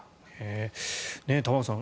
玉川さん